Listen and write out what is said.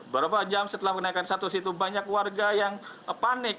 berapa jam setelah kenaikan status itu banyak warga yang panik